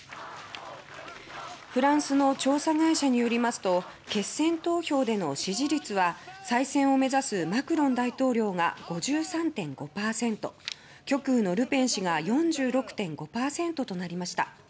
フランスの調査会社によりますと決選投票での支持率は再選を目指すマクロン大統領が５３．５％極右のルペン氏が４６．５％となりました。